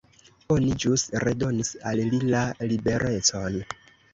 Oni ĵus redonis al li la liberecon.